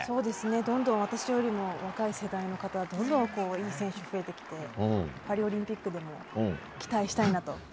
どんどん私よりも若い世代の選手がどんどんいい選手が増えてきてパリオリンピックでも期待したいなと。